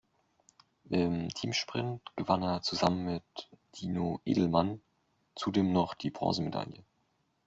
Im Teamsprint gewann er zusammen mit Tino Edelmann zudem noch die Bronzemedaille.